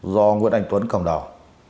do nguyễn anh tuấn cầm đầu